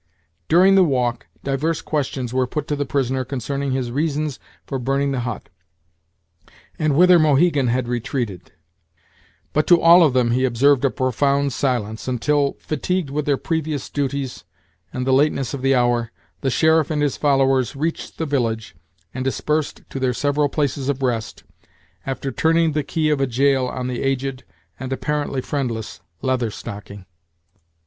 During the walk, divers questions were put to the prisoner concerning his reasons for burning the hut, and whither Mohegan had retreated; but to all of them he observed a profound silence, until, fatigued with their previous duties, and the lateness of the hour, the sheriff and his followers reached the village, and dispersed to their several places of rest, after turning the key of a jail on the aged and apparently friendless Leather Stocking.